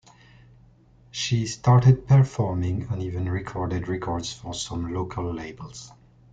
She started performing, and even recorded records for some local labels.